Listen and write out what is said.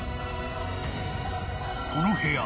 ［この部屋